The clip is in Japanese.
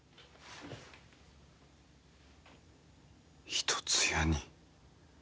「一つ家に」。